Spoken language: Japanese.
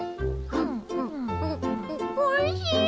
おいしい！